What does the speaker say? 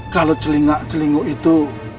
kalau celing celinguk itu